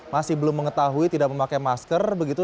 masih belum mengetahui tidak memakai masker begitu